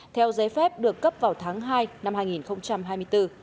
theo giấy phép được cấp vào tháng hai năm hai nghìn hai mươi bốn